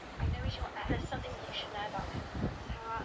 mkesha wa kutangazwa kwa mushinda wa urais nchini uganda